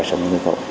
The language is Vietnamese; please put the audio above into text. sống với người cậu